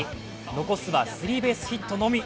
残すはスリーベースヒットのみ。